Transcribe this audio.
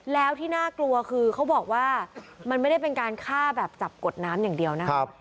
แล้วที่น่ากลัวคือเขาบอกว่ามันไม่ได้เป็นการฆ่าแบบจับกดน้ำอย่างเดียวนะครับ